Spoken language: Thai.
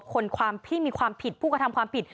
คนความที่มีความผิดผู้กระทำความผิด